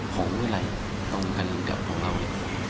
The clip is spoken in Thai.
ของเวลาต้องกำหนดกับของเราเลย